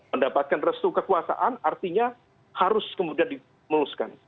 mendapatkan restu kekuasaan artinya harus kemudian dimuluskan